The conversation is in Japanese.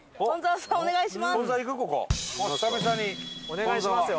お願いしますよ。